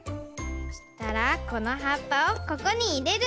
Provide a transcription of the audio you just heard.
そしたらこのはっぱをここにいれる。